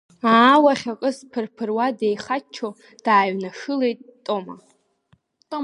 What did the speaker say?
Аа, уахьакыз, дԥырԥыруа, деихаччо дааҩнашылеит Тома.